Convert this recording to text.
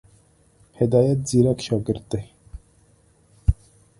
هدایت ځيرک شاګرد دی.